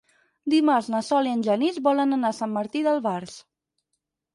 Dimarts na Sol i en Genís volen anar a Sant Martí d'Albars.